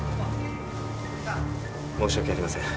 申し訳ありません。